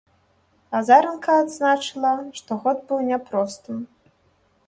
Азаранка адзначыла, што год быў няпростым.